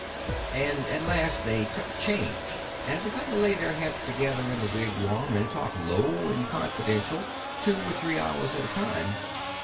And at last they took a change and begun to lay their heads together in the wigwam and talk low and confidential two or three hours at a time.